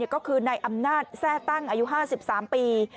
ก็คือนายอำนาจแทร่ตั้งอายุ๕๓ปี